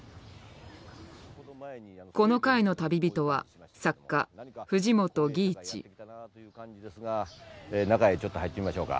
この回の旅人は中へちょっと入ってみましょうか。